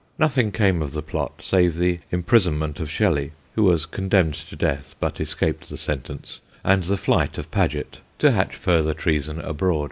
Nothing came of the plot save the imprisonment of Shelley (who was condemned to death but escaped the sentence) and the flight of Paget, to hatch further treason abroad.